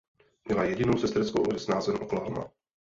Měla jedinou sesterskou loď s názvem Oklahoma.